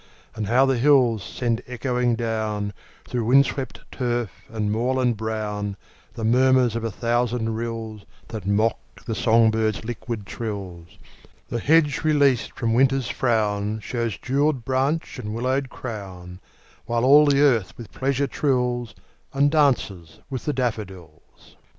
And how the hills send echoing down, Through wind swept turf and moorland brown, The murmurs of a thousand rills That mock the song birds' liquid trills! The hedge released from Winter's frown Shews jewelled branch and willow crown; While all the earth with pleasure trills, And 'dances with the daffodils.